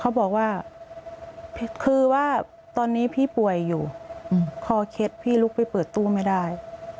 เขาบอกว่าคือว่าตอนนี้พี่ป่วยอยู่คอเคล็ดพี่ลุกไปเปิดตู้ไม่ได้